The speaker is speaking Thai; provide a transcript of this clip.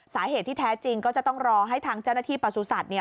สาเหตุที่แท้จริงก็จะต้องรอให้ทางเจ้าหน้าที่ปสุษัติ